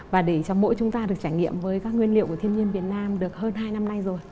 và để cho mỗi chúng ta được trải nghiệm với các nguyên liệu của thiên nhiên việt nam được hơn hai năm nay rồi